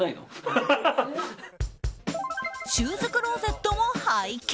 シューズクローゼットも拝見。